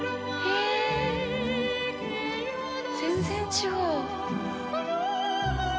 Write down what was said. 全然違う。